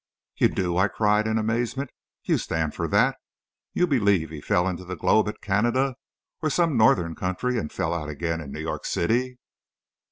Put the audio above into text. "You do!" I cried, in amazement. "You stand for that! You believe he fell into the globe at Canada, or some Northern country, and fell out again in New York City?"